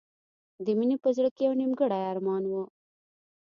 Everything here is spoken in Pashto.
د مینې په زړه کې یو نیمګړی ارمان و